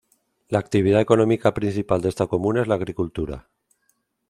La actividad económica principal de esta comuna es la agricultura.